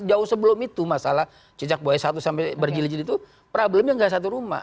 jauh sebelum itu masalah cicak buaya satu sampai berjilid jilid itu problemnya nggak satu rumah